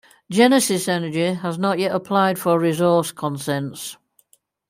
Genesis Energy has not yet applied for resource consents.